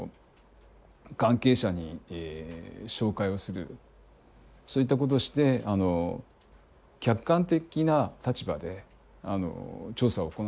関係者に照会をするそういったことをして客観的な立場で調査を行ってます。